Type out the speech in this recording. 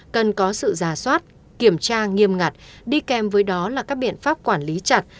cần có sự giả soát kiểm tra nghiêm ngặt đi kèm với đó là các biện pháp quản lý chặt